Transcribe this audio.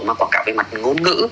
mà quảng cáo về mặt ngôn ngữ